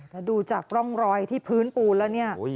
แต่ดูจากร่องรอยที่พื้นปูนแล้วเนี่ย